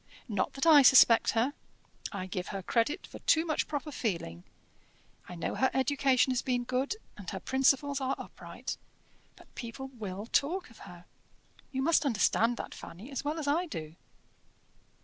Not that I suspect her I give her credit for too much proper feeling: I know her education has been good, and her principles are upright. But people will talk of her. You must understand that, Fanny, as well as I do."